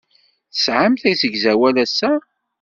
Tesɛamt asegzawal ass-a?